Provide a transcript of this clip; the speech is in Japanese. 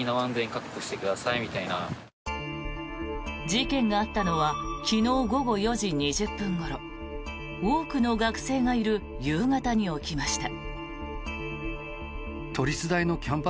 事件があったのは昨日午後４時２０分ごろ多くの学生がいる夕方に起きました。